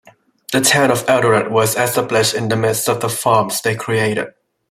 The town of Eldoret was established in the midst of the farms they created.